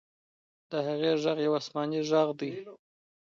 د هغې ږغ یو آسماني ږغ دی.